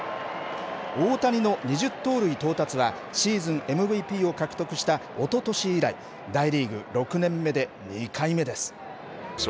大谷の２０盗塁到達は、シーズンＭＶＰを獲得したおととし以来、大リーグ６年目で２回目です。